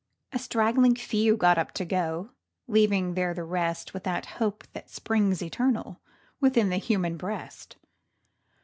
A straggling few got up to go, leaving there the rest, With that hope which springs eternal within the human breast.